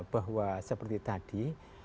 bahwa seperti tadi